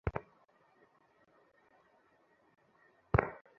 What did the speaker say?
তিনি La Rochelle, Isle of Aix এবং শেরবুর্গে দায়িত্ব পালন করেন।